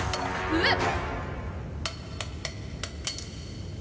うわっ！